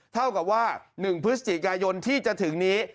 เท่ากับว่า๑พฤศจิกายนที่จะถึงนี้